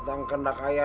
tidak ada apa apa